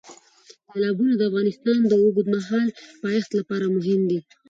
تالابونه د افغانستان د اوږدمهاله پایښت لپاره مهم دي.